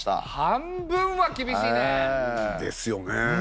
半分は厳しいね！ですよね。